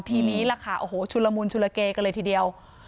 ทีนี้ล่ะค่ะโอ้โหชุลมุนชุลเกกันเลยทีเดียว